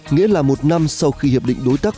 nghĩa là một năm sau khi hiệp định đối tác